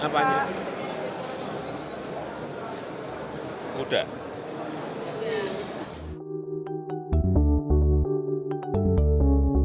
pak ketua golkar ada di rumah ini